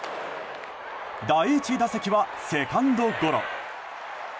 第１打席は、セカンドゴロ。